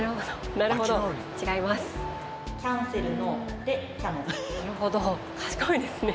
なるほど賢いですね。